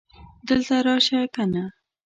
دلته راشه کنه